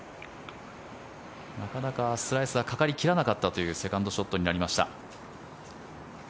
なかなかスライスはかかり切らなかったというセカンドショットになりました。